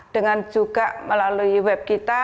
dengan juga melalui web kita